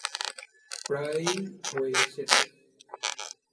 প্রায় হয়ে এসেছে!